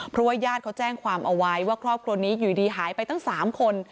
เพราะว่าญาติเขาแจ้งความเอาไว้ว่าครอบครัวนี้อยู่ดีหายไปตั้ง๓คน